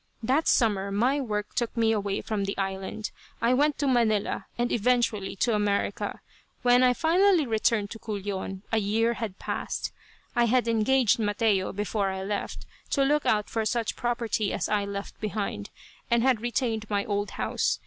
That summer my work took me away from the island. I went to Manila, and eventually to America. When I finally returned to Culion a year had passed. I had engaged Mateo, before I left, to look out for such property as I left behind, and had retained my old house.